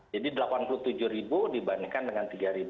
jadi delapan puluh tujuh dibandingkan dengan tiga